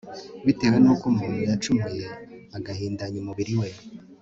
bitewe n'uko umuntu yacumuye agahindanya umubiri we